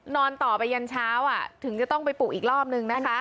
นอนต่อไปยันเช้าถึงจะต้องไปปลูกอีกรอบนึงนะคะ